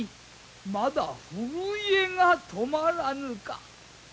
まだ震えが止まらぬか。